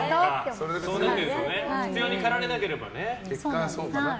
必要に駆られなければね。